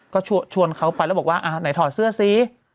ก็ชวนเขาไปแล้วบอกว่าไหนถอดเสื้อสิ